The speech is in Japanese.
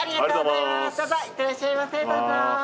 いってらっしゃいませ。